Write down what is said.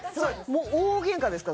大ゲンカですか？